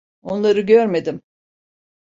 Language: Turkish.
Onları görmedim.